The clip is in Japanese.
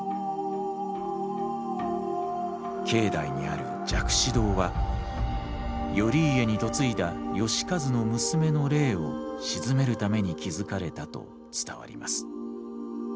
境内にある蛇苦止堂は頼家に嫁いだ能員の娘の霊を鎮めるために築かれたと伝わります。